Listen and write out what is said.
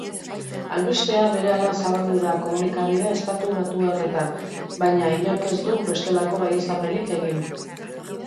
Albistea berehala zabaldu da komunikabide estatubatuarretan baina inork ez du bestelako baieztapenik egin.